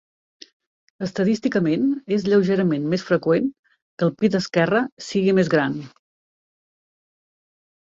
Estadísticament és lleugerament més freqüent que el pit esquerre sigui més gran.